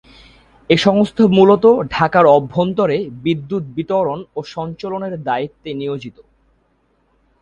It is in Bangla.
এই সংস্থা মূলত ঢাকার অভ্যন্তরে বিদ্যুৎ বিতরণ ও সঞ্চালনের দায়িত্বে নিয়োজিত।